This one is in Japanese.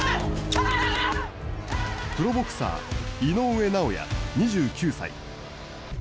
プロボクサー、井上尚弥２９歳。